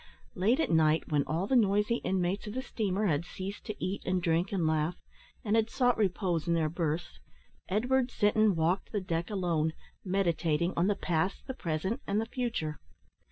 Late at night, when all the noisy inmates of the steamer had ceased to eat, and drink, and laugh, and had sought repose in their berths, Edward Sinton walked the deck alone, meditating on the past, the present, and the future.